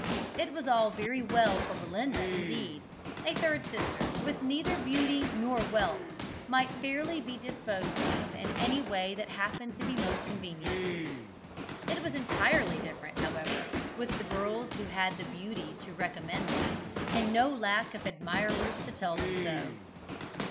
It was all very well for Belinda, indeed: a third sister, with neither beauty nor wealth, might fairly be disposed of in any way that happened to be most convenient. It was entirely different, however, with girls who had beauty to recommend them, and no lack of admirers to tell them so.